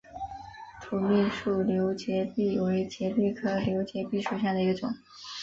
土蜜树瘤节蜱为节蜱科瘤节蜱属下的一个种。